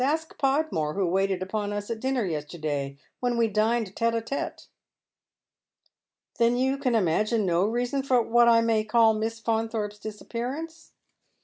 Ask Podmore, who waited upon us at dinner yesterday when we dined tcte n tcte "" Then you can imagine no reason for what I may call Miss Faunthorpe's disappearance